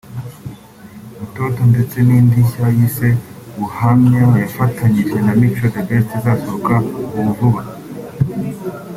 Mtoto ndetse ni ndi nshya yise Ubuhamya yafatanyije na Mico The Best izasohoka ubu vuba